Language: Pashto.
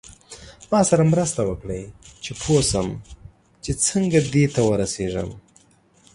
ما سره مرسته وکړئ چې پوه شم چې څنګه دې ته ورسیږم.